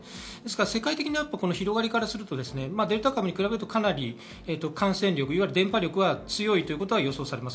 世界的な広がりからすると、デルタ株に引っ比べるとかなり感染力、伝播力は強いと予想されます。